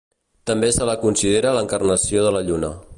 També se la considera l'encarnació de la lluna.